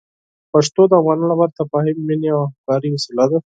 پښتو د افغانانو لپاره د تفاهم، مینې او همکارۍ وسیله ده.